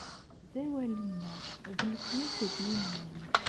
D awal-nneɣ, d nekkni i t-id-yennan.